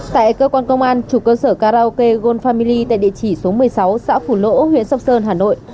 tại cơ quan công an chủ cơ sở karaoke gold fami tại địa chỉ số một mươi sáu xã phù lỗ huyện sóc sơn hà nội